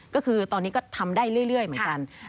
ก็คือตอนนี้ก็ทำได้เรื่อยเหมือนกัน